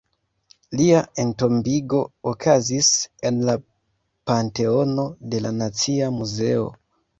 Lia entombigo okazis en la Panteono de la Nacia Muzeo.